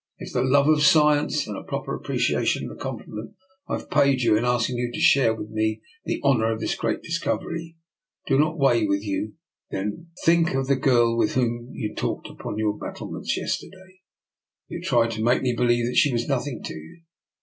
If the love of science and a proper appreciation of the compliment I have paid you in asking you to share with me the honour of this great dis covery do not weigh with you, think of the girl with whom you talked upon the battle ments yesterday. You tried to make me be lieve that she was nothing to you.